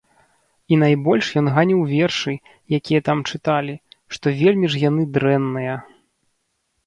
І найбольш ён ганіў вершы, якія там чыталі, што вельмі ж яны дрэнныя.